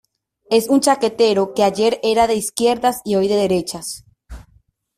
Es un chaquetero que ayer era de izquierdas y hoy de derechas